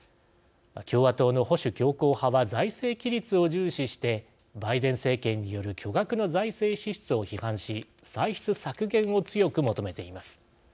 共和党の保守強硬派は財政規律を重視してバイデン政権による巨額の財政支出を批判し歳出削減を強く求めています。